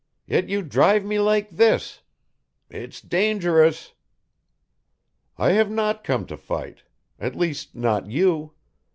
Yet you drive me like this. It's dangerous." "I have not come to fight. At least not you.